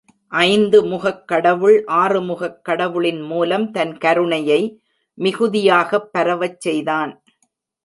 ஐந்து முகக் கடவுள் ஆறுமுகக் கடவுளின் மூலம் தன் கருணையை மிகுதியாகப் பரவச் செய்தான்.